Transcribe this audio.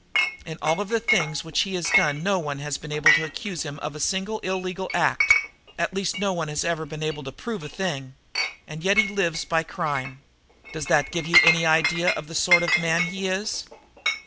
In all of the things which he has done no one has been able to accuse him of a single illegal act at least no one has ever been able to prove a thing. And yet he lives by crime. Does that give you an idea of the sort of man he is?"